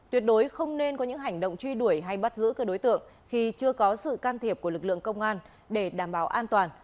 tuyệt đối không nên có những hành động truy đuổi hay bắt giữ các đối tượng khi chưa có sự can thiệp của lực lượng công an để đảm bảo an toàn